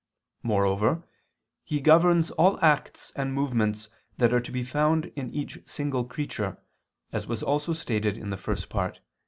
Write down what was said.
Moreover He governs all the acts and movements that are to be found in each single creature, as was also stated in the First Part (Q.